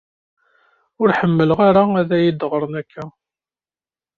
Ur ḥemmleɣ ara ad iyi-d-ɣṛen akka.